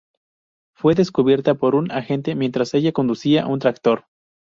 Fue descubierta por un agente mientras ella conducía un tractor.